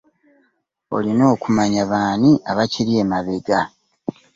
Olina okumanya baani abakiri emabega.